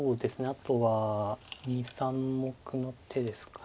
あとは２３目の手ですか。